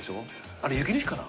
あれ雪の日かな？